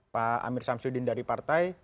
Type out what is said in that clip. pak amir samsudin dari partai